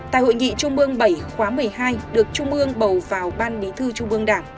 tại hội nghị chung mương bảy khóa một mươi hai được chung mương bầu vào ban bí thư chung mương đảng